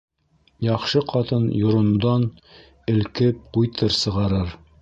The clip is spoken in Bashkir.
Яҡшы ҡатын йорондан, элкеп, ҡуйтыр сығарыр.